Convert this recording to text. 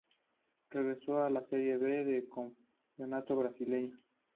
Regresó a la Serie B del Campeonato Brasileño.